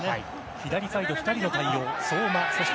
左サイドは２人の対応。